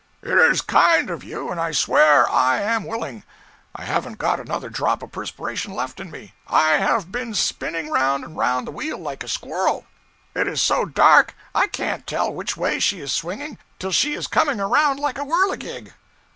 'It is kind of you, and I swear I am willing. I haven't got another drop of perspiration left in me. I have been spinning around and around the wheel like a squirrel. It is so dark I can't tell which way she is swinging till she is coming around like a whirligig.'